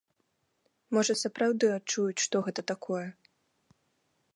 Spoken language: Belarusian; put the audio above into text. Можа, сапраўды адчуюць, што гэта такое.